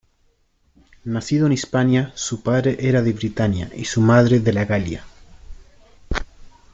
Nacido en Hispania, su padre era de Britania y su madre de la Galia.